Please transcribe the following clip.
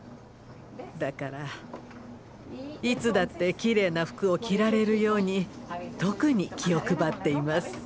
だからいつだってきれいな服を着られるように特に気を配っています。